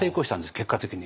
結果的に。